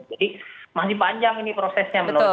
jadi masih panjang ini prosesnya menurut saya